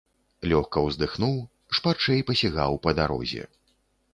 Лёгка ўздыхнуў, шпарчэй пасігаў па дарозе.